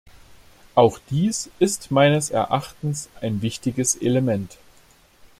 Auch dies ist meines Erachtens ein wichtiges Element.